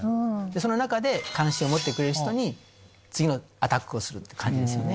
その中で関心を持ってくれる人に次のアタックをするって感じですよね。